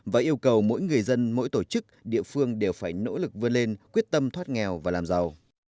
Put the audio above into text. và yêu cầu mỗi người dân mỗi tổ chức địa phương đều phải nỗ lực vươn lên quyết tâm thoát nghèo và làm giàu